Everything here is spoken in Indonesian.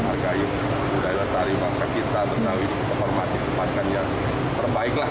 kita menghargai budaya yang harus dihargai maksa kita bertawid informatif tempatkan yang terbaik lah